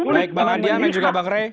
baik bang adian dan juga bang ray